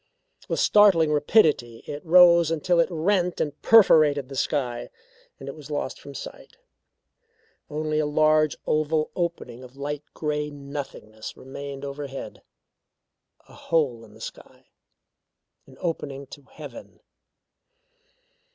With startling rapidity it rose until it rent and perforated the sky, and was lost from sight. Only a large oval opening of light grey nothingness remained overhead a hole in the sky an opening to heaven.